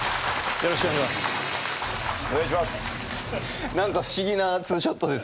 よろしくお願いします。